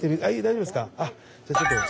あっじゃあちょっと。